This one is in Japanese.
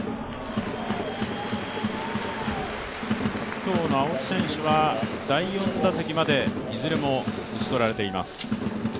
今日の青木選手は第４打席までいずれも打ち取られています。